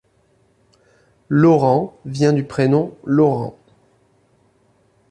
Laurent vient du prénom laurent.